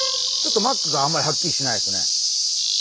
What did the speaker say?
ちょっとマックがあんまりはっきりしてないですね。